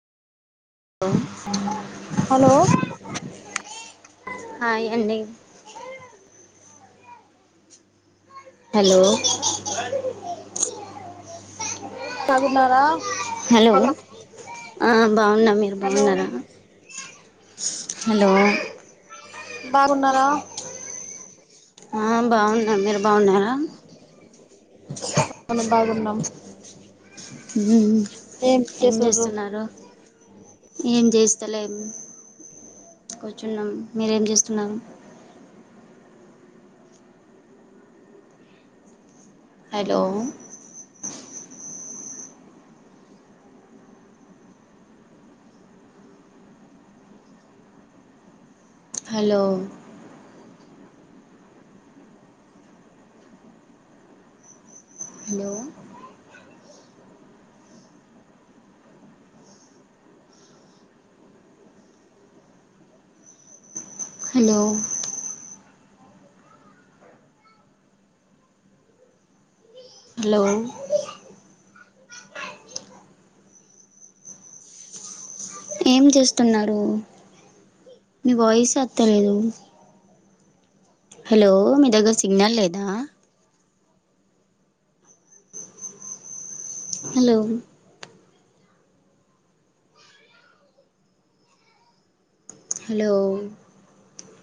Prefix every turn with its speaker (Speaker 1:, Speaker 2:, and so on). Speaker 1: hello
Speaker 2: hi అండీ hello
Speaker 1: బాగున్నారా
Speaker 2: hello ఆ బాగున్న మీరు
Speaker 1: హలో
Speaker 2: బాగున్నారా హలో
Speaker 1: బాగున్నారా
Speaker 2: ఆ బాగున్నా మీరు బాగున్నారా
Speaker 1: న బాగున్నాం
Speaker 2: ఉమ్ ఏం చేస్తున్నారు ఎం జెస్తలేమ్ కూర్చున్నాం మీరేం చేస్తున్నారు hello hello hello hello hello ఏం చేస్తున్నారు మీ వాయిస్ అత్తలేదు హలో మీదగ్గర సిగ్నల్ లేదా హలో హలో